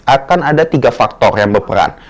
akan ada tiga faktor yang berperan